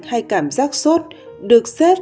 hay cảm giác sốt được xếp